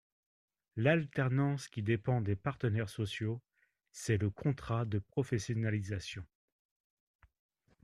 L’alternance qui dépend des partenaires sociaux, c’est le contrat de professionnalisation.